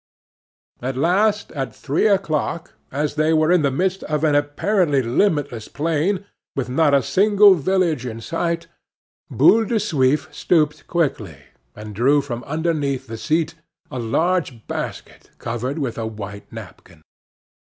At last, at three o'clock, as they were in the midst of an apparently limitless plain, with not a single village in sight, Boule de Suif stooped quickly, and drew from underneath the seat a large basket covered with a white napkin.